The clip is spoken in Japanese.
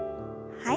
はい。